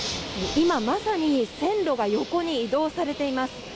今まさに線路が横に移動されています